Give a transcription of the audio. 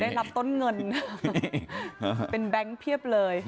รับต้นเงินเป็นแบงค์เพียบเลย